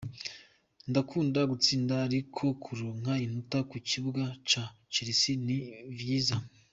Ndakunda gutsinda, ariko kuronka inota ku kibuga ca Chelsea ni vyiza.